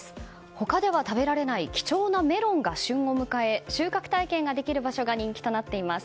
他では食べられない貴重なメロンが旬を迎え収穫体験ができる場所が人気となっています。